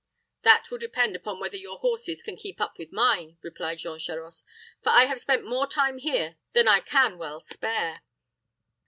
"That will depend upon whether your horses can keep up with mine," replied Jean Charost; "for I have spent more time here than I can well spare."